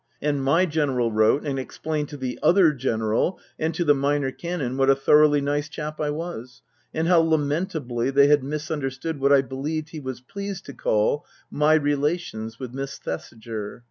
And my General wrote and explained to the other General and to the Minor Canon what a thoroughly nice chap I was, and how lamentably they had misunderstood what I believed he was pleased to call my relations with Miss Thesiger.